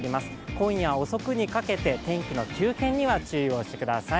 今夜遅くにかけて天気の急変には注意をしてください。